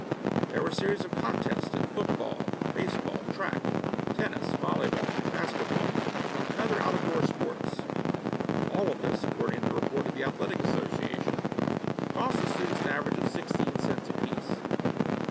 There were series of contests in football, baseball, track, tennis, volley ball, basket ball, and other out of door sports. All of this, according to the report of the athletic association, cost the students an average of sixteen cents apiece.